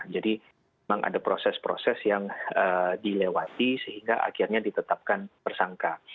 jadi memang ada proses proses yang dilewati sehingga akhirnya ditetapkan persangka